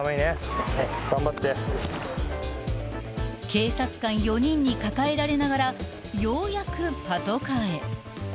［警察官４人に抱えられながらようやくパトカーへ］